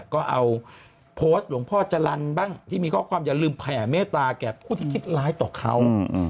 ก็เอาโพสต์หลวงพ่อจรรย์บ้างที่มีข้อความอย่าลืมแผ่เมตตาแก่ผู้ที่คิดร้ายต่อเขา